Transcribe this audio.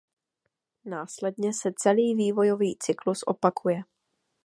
Následně se celý vývojový cyklus opakuje.